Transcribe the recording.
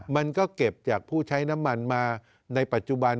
มันก็เก็บจากผู้ใช้น้ำมันมาในปัจจุบัน